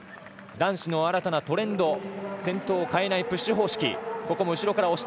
男子の新たなトレンド先頭を変えないプッシュ方式。